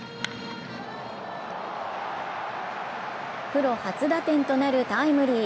プロ初打点となるタイムリー。